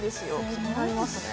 気になりますね